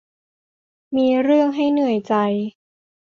มีเรื่องให้เหนื่อยใจ